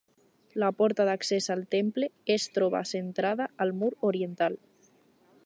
La porta d'accés al temple es troba centrada al mur oriental.